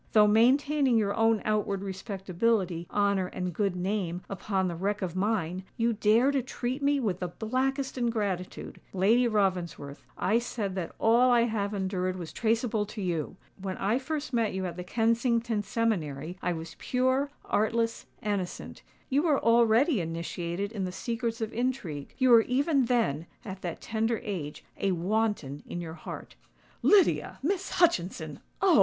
Though maintaining your own outward respectability, honour, and good name upon the wreck of mine, you dare to treat me with the blackest ingratitude! Lady Ravensworth, I said that all I have endured was traceable to you! When I first met you at the Kensington seminary, I was pure, artless, innocent:—you were already initiated in the secrets of intrigue—you were even then, at that tender age, a wanton in your heart." "Lydia—Miss Hutchinson! Oh!